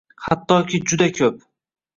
Hattoki juda ko'p.